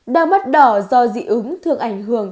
đau mắt đỏ do dị ứng thường ảnh hưởng